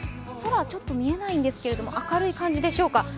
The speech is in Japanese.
空、ちょっと見えないんですけれども、明るい感じでしょうか。